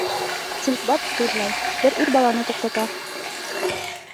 Синдбад түҙмәй, бер ир баланы туҡтата: